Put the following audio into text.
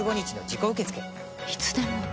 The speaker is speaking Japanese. いつでも？